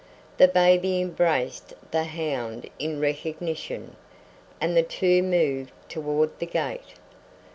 The baby embraced the hound in recognition, and the two moved toward the gate.